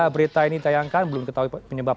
berita ini ditayangkan belum ketahui penyebab